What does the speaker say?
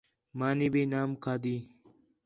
مانی بھی نام کھادی